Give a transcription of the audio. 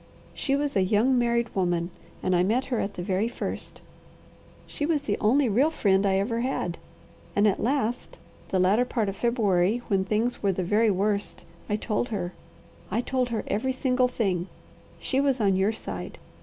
She was a young married woman and I met her at the very first. She was the only real friend I ever had, and at last, the latter part of February, when things were the very worst, I told her. I told her every single thing. She was on your side.